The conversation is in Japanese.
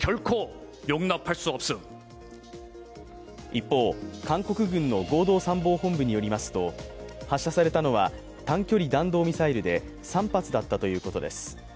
一方、韓国軍の合同参謀本部によりますと発射されたのは短距離弾道ミサイルで３発だったということです。